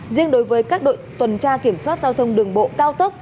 riêng đối với các đội tuần tra kiểm soát giao thông đường bộ cao tốc